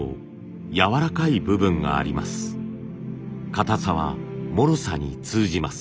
硬さはもろさに通じます。